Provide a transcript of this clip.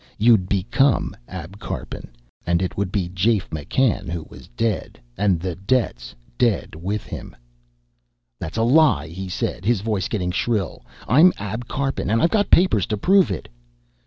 You'd become Ab Karpin, and it would be Jafe McCann who was dead, and the debts dead with him." "That's a lie," he said, his voice getting shrill. "I'm Ab Karpin, and I've got papers to prove it."